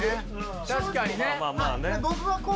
確かにね